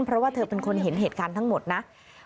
เพราะว่าเธอเป็นคนเห็นเหตุการณ์ทั้งหมดนะ